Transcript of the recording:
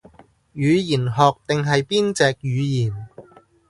語言學定係邊隻語言